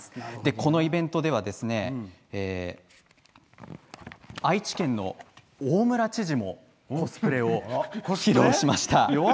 このイベントでは愛知県の大村知事もコスプレを披露しました。